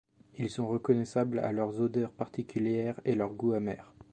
Ils sont reconnaissables à leur odeur particulière et leur goût amer.